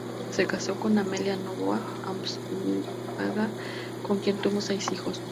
Se casó con Amelia Novoa Astaburuaga con quien tuvo seis hijos.